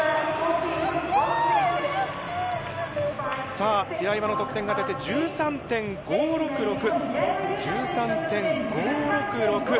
さあ、平岩の得点が出て、１３．５６６。１３．５６６。